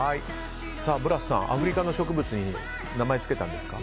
ブラスさん、アフリカの植物に名前を付けたんですか？